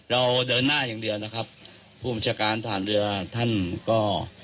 เราเดินหน้าอย่างเดียวนะครับผู้บัญชาการฐานเรือท่านก็